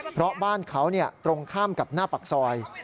เพราะบ้านเขาตรงข้ามกับหน้าปากซอย